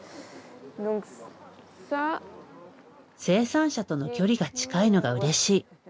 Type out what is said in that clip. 生産者との距離が近いのがうれしい。